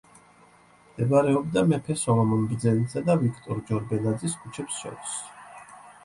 მდებარეობდა მეფე სოლომონ ბრძენისა და ვიქტორ ჯორბენაძის ქუჩებს შორის.